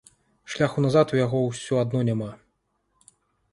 Шляху назад у яго ўсё адно няма.